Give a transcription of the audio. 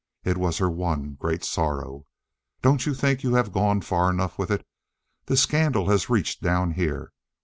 It was her one great sorrow. Don't you think you have gone far enough with it? The scandal has reached down here.